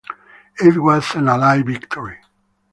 It was an Allied victory.